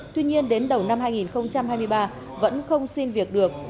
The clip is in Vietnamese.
tuy nhiên đến đầu năm hai nghìn hai mươi ba vẫn không xin việc được